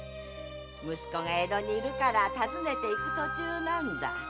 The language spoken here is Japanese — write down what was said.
息子が江戸にいるから訪ねていく途中なんだ。